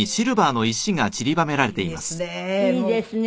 でいいですね。